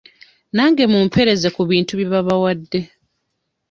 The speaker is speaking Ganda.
Nange mumpeereze ku bintu bye baabawadde.